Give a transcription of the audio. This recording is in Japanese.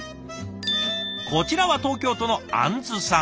こちらは東京都のあんずさん。